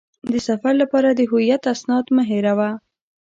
د سفر لپاره د هویت اسناد مه هېروه.